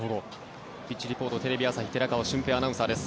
ピッチリポートテレビ朝日寺川俊平アナウンサーです。